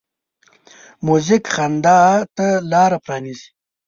موزیک خندا ته لاره پرانیزي.